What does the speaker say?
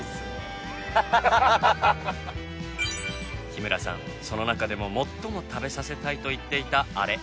日村さんその中でも最も食べさせたいと言っていたアレ。